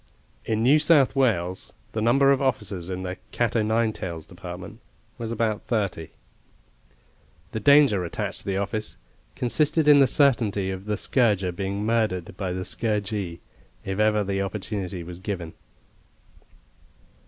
In New South Wales the number of officers in the cat o' nine tails department was about thirty. The danger attached to the office consisted in the certainty of the scourger being murdered by the scourgee, if ever the opportunity was given.